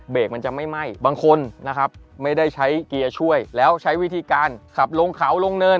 มันจะไม่ไหม้บางคนนะครับไม่ได้ใช้เกียร์ช่วยแล้วใช้วิธีการขับลงเขาลงเนิน